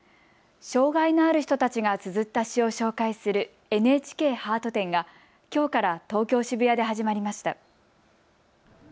障害のある人たちがつづった詩を紹介するＮＨＫハート展がきょうから東京渋谷で始まりました。